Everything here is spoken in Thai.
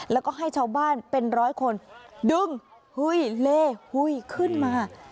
แล้วก็ให้ชาวบ้านเป็นร้อยคนดึงเลขึ้นมา